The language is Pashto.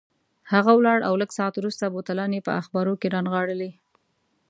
هغه ولاړ او لږ ساعت وروسته بوتلان یې په اخبارو کې رانغاړلي.